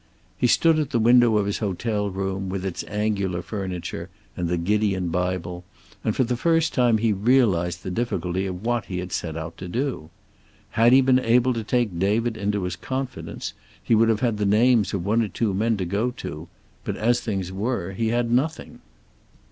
He stood at the window of his hotel room, with its angular furniture and the Gideon Bible, and for the first time he realized the difficulty of what he had set out to do. Had he been able to take David into his confidence he would have had the names of one or two men to go to, but as things were he had nothing.